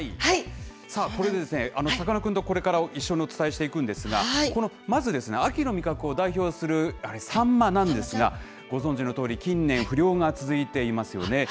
さあ、これですね、さかなクンとこれから一緒にお伝えしていくんですが、このまず、秋の味覚を代表するサンマなんですが、ご存じのとおり近年、不漁が続いていますよね。